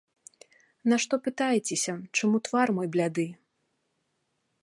Нашто пытаецеся, чаму твар мой бляды?